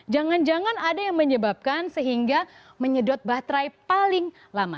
jangan jangan ada yang menyebabkan sehingga menyedot baterai paling lama